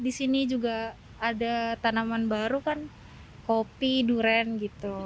di sini juga ada tanaman baru kan kopi durian gitu